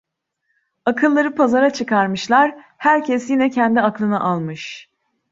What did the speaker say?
Akılları pazara çıkarmışlar, herkes yine kendi aklını almış.